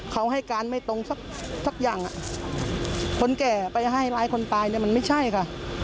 เขาให้การไม่ตรงสักอย่างคนแก่ไปให้ร้ายคนตายเนี่ยมันไม่ใช่ค่ะ